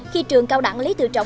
khi trường cao đẳng lý tự trọng